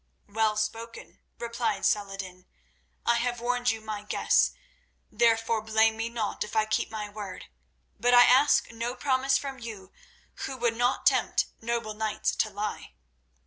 "Well spoken," replied Saladin. "I have warned you, my guests, therefore blame me not if I keep my word; but I ask no promise from you who would not tempt noble knights to lie.